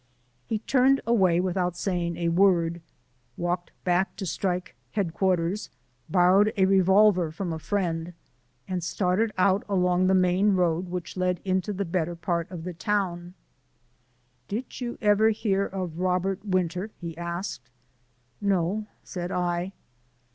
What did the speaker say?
He turned away without saying a word, walked back to strike headquarters, borrowed a revolver from a friend, and started out along the main road which led into the better part of the town. "Did you ever hear o' Robert Winter?" he asked. "No," said I.